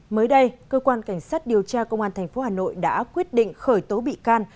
mới đây cơ quan cảnh sát điều tra công an tp hà nội đã quyết định khởi tố bị can